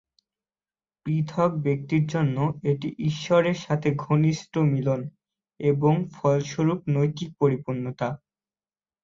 পৃথক ব্যক্তির জন্য এটি ঈশ্বরের সাথে ঘনিষ্ঠ মিলন এবং ফলস্বরূপ নৈতিক পরিপূর্ণতা।